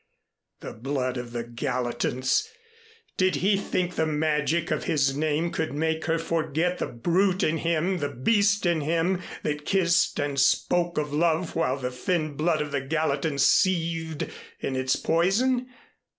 The blood of the Gallatins! Did he think the magic of his name could make her forget the brute in him, the beast in him, that kissed and spoke of love while the thin blood of the Gallatins seethed in its poison?